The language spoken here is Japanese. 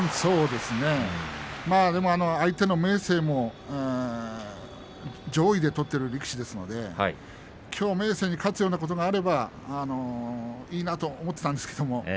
でも相手の明生も上位で取っている力士ですのできょう明生に勝つようなことがあればいいなと思っていたんですけれど